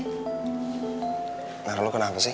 kinar lo kenapa sih